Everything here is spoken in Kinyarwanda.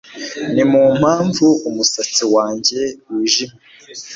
ninimpamvu umusatsi wanjye wijimye